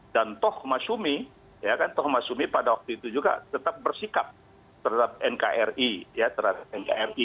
dan toh masumi ya kan toh masumi pada waktu itu juga tetap bersikap terhadap nkri